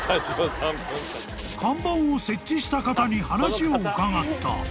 ［看板を設置した方に話を伺った］